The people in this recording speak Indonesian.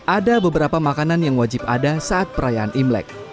ada beberapa makanan yang wajib ada saat perayaan imlek